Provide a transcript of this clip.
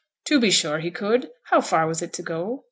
'To be sure he could; how far was it to go?'